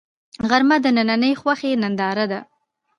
غرمه د دنننۍ خوښۍ ننداره ده